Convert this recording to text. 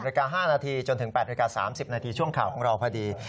นาฬิกา๕นาทีจนถึง๘นาฬิกา๓๐นาทีช่วงข่าวของเราพอดี